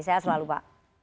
sehat selalu pak